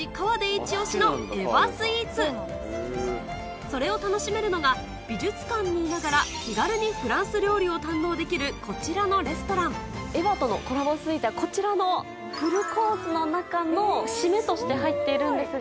イチ押しのそれを楽しめるのが美術館にいながら気軽にフランス料理を堪能できるこちらのレストラン『エヴァ』とのコラボスイーツはこちらのフルコースの中の締めとして入っているんですが。